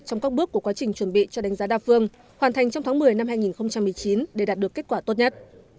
trong các bước của quá trình chuẩn bị cho đánh giá đa phương hoàn thành trong tháng một mươi năm hai nghìn một mươi chín để đạt được kết quả tốt nhất